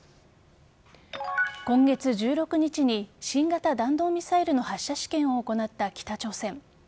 今月１６日に新型弾道ミサイルの発射試験を行った北朝鮮。